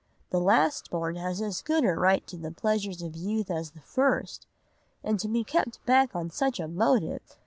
The last born has as good a right to the pleasures of youth as the first. And to be kept back on such a motive!